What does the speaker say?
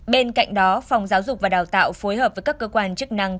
bên cạnh đó phòng giáo dục và đào tạo phối hợp với các cơ quan chức năng